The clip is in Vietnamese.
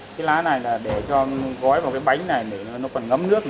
cái lá này là để cho gói vào cái bánh này để nó còn ngấm nước